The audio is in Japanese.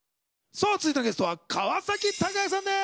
さあ続いてのゲストは川崎鷹也さんです！